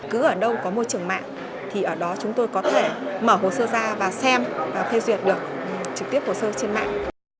cứ ở đâu có môi trường mạng thì ở đó chúng tôi có thể mở hồ sơ ra và xem phê duyệt được trực tiếp hồ sơ trên mạng